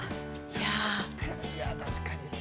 いや、確かに。